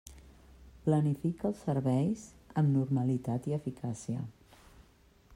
Planifica els serveis amb normalitat i eficàcia.